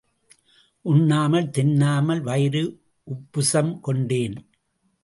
உண்ணாமல் தின்னாமல் வயிறு உப்புசம் கொண்டேன்.